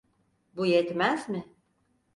Bu yetmez mi?